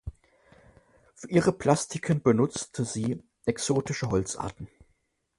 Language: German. Für ihre Plastiken benutzte sie exotische Holzarten.